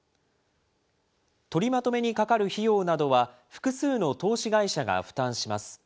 取りまとめにかかる費用などは複数の投資会社が負担します。